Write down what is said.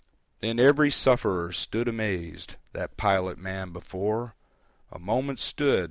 Then every sufferer stood amazed That pilot man before; A moment stood.